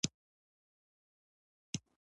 نظام مصدر دی د نظم له کلمی څخه اخیستل شوی،